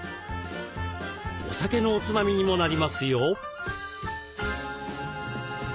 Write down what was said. お酒のおつまみにもなりますよ。